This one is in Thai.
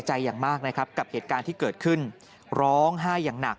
อย่างมากนะครับกับเหตุการณ์ที่เกิดขึ้นร้องไห้อย่างหนัก